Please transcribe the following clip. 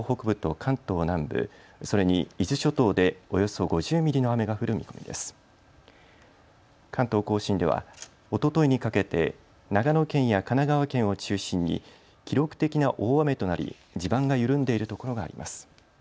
関東甲信では、おとといにかけて長野県や神奈川県を中心に記録的な大雨となり地盤が緩んでいるところがあります。